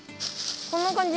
こんな感じ？